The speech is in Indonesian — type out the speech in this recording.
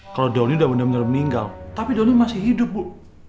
kalau doni sudah benar benar meninggal tapi dulu masih hidup bu